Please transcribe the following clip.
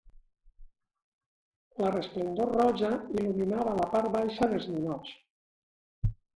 La resplendor roja il·luminava la part baixa dels ninots.